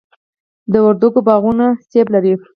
د وردګو باغونه مڼې لري.